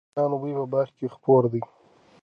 د ګلانو بوی په باغ کې خپور دی.